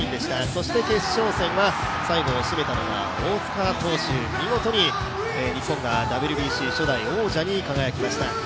そして決勝戦、最後をしめたのは大塚投手、見事に日本がＷＢＣ初代王者に輝きました。